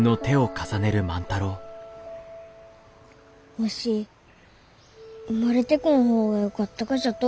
わし生まれてこん方がよかったがじゃと。